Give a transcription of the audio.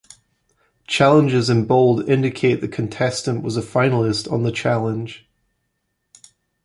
Challenges in bold indicate the contestant was a finalist on the Challenge.